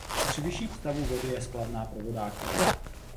Při vyšším stavu vody je splavná pro vodáky.